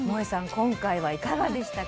今回はいかがでしたか？